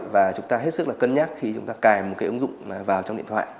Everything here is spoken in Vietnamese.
và chúng ta hết sức là cân nhắc khi chúng ta cài một cái ứng dụng vào trong điện thoại